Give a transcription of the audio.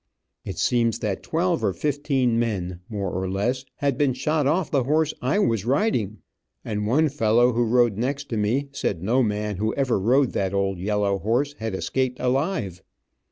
It seems that twelve or fifteen men, more or less, had been shot off the horse I was riding, and one fellow who rode next to me said no man who ever rode that old yellow horse had escaped alive.